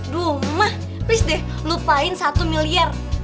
duh mah deh lupain satu miliar